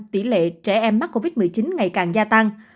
tỷ lệ trẻ em mắc covid một mươi chín ngày càng gia tăng